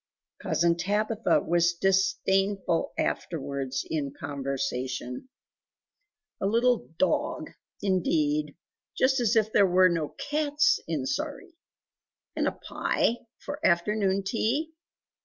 Cousin Tabitha was disdainful afterwards in conversation "A little DOG indeed! Just as if there were no CATS in Sawrey! And a PIE for afternoon tea!